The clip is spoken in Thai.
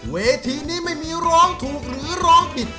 เวทีนี้ไม่มีร้องถูกหรือร้องผิด